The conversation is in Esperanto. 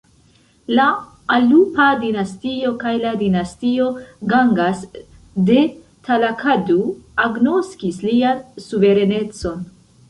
La Alupa dinastio kaj la dinastio Gangas de Talakadu agnoskis lian suverenecon.